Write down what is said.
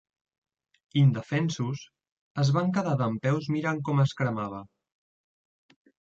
Indefensos, es van quedar dempeus mirant com es cremava.